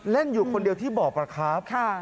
เล่นอยู่คนเดียวที่บอบครับ